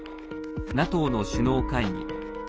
ＮＡＴＯの首脳会議。